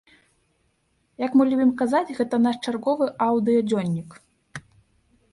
Як мы любім казаць, гэта наш чарговы аўдыёдзённік.